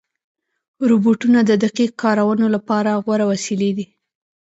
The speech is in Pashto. روبوټونه د دقیق کارونو لپاره غوره وسیلې دي.